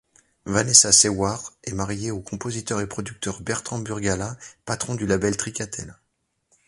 Vanessa Seward est mariée au compositeur et producteur Bertrand Burgalat, patron du label Tricatel.